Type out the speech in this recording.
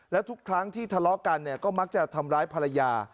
แล้วทุกครั้งที่ทะเลาะกันเนี่ยก็มักจะทำร้ายภรรยา